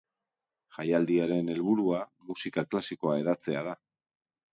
Jaialdiaren helburua musika klasikoa hedatzea da.